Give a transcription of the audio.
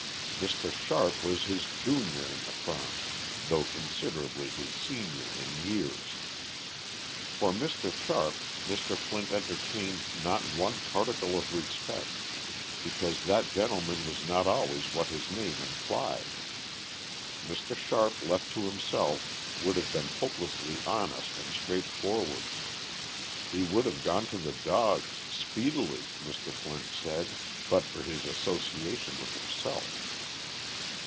Mr. Sharp was his junior in the firm, though considerably his senior in years. For Mr. Sharp Mr. Flint entertained not one particle of respect, because that gentleman was not always what his name implied. Mr. Sharp left to himself would have been hopelessly honest and straightforward. He would have gone to the dogs, speedily, Mr. Flint said, but for his association with himself.